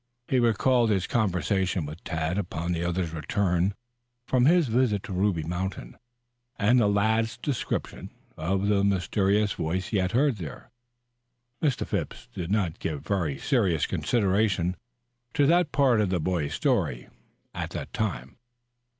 He recalled his conversation with Tad upon the other's upon his return from his visit to the Ruby Mountain, and the lad's description of the mysterious voice he had heard there. Mr. Phipps did not give very serious consideration to that part of the boy's story at the time.